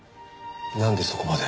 なんでそこまで？